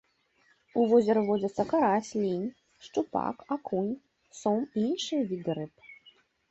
У возеры водзяцца карась, лінь, шчупак, акунь, сом і іншыя віды рыб.